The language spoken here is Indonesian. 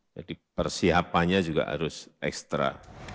jadi persiapannya juga harus ekstra